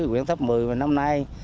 quyền thấp một mươi của mình năm nay